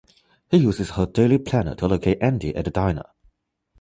He uses her daily planner to locate Andy at the diner.